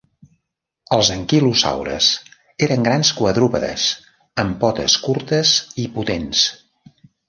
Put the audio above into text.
Els anquilosaures eren grans quadrúpedes, amb potes curtes i potents.